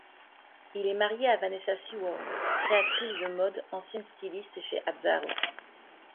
Il est marié à Vanessa Seward, créatrice de mode, ancienne styliste chez Azzaro.